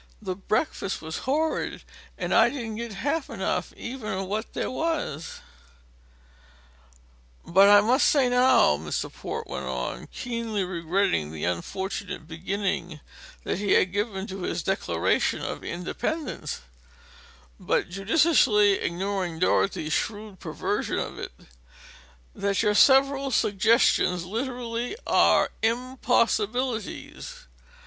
The breakfast was horrid, and I didn't get half enough even of what there was." "But I must say now," Mr. Port went on keenly regretting the unfortunate beginning that he had given to his declaration of independence, but judiciously ignoring Dorothy's shrewd perversion of it "that your several suggestions literally are impossibilities.